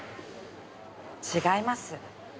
違います。